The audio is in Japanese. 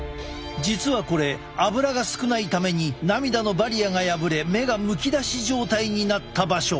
実はこれアブラが少ないために涙のバリアが破れ目がむき出し状態になった場所！